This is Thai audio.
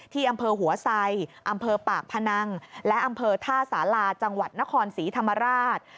ที่อำเภอหัวไซอำเภอปากพนังและอำเภอท่าสาราจังหวัดนครศรีธรรมราช